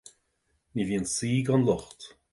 Ní bhíonn saoi gan locht